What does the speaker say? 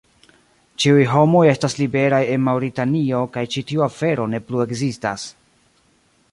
Ĉiuj homoj estas liberaj en Maŭritanio kaj ĉi tiu afero ne plu ekzistas.